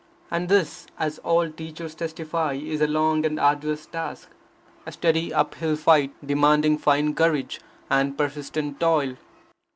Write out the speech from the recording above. And this, as all teachers testify, is a long and arduous task, a steady up hill fight, demanding fine courage and persistent toil.